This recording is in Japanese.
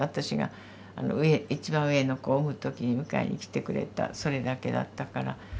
私が一番上の子を産む時に迎えに来てくれたそれだけだったから。